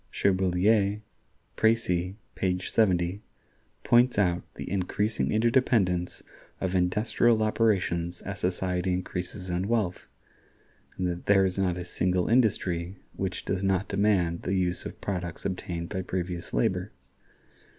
Cherbuliez ("Précis," page 70) points out the increasing interdependence of industrial operations as society increases in wealth, and that there is not a single industry which does not demand the use of products obtained by previous labor.